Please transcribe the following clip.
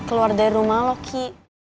keluar dari rumah lo ki